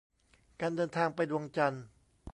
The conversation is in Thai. การเดินทางไปดวงจันทร์